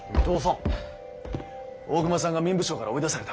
大隈さんが民部省から追い出された。